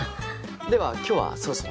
では今日はそろそろ。